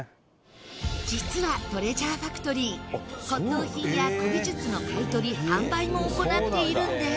実はトレジャーファクトリー骨董品や古美術の買い取り販売も行っているんです。